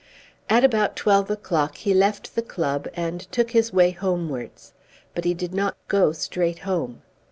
At about twelve o'clock he left the club and took his way homewards. But he did not go straight home.